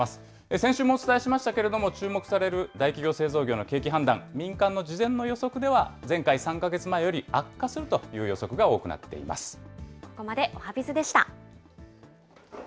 先週もお伝えしましたけれども、注目される大企業・製造業の景気判断、民間の事前の予測では、前回・３か月前より悪化するというここまでおはＢｉｚでした。